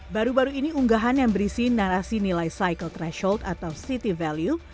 baru baru ini unggahan yang berisi narasi nilai cycle threshold atau city value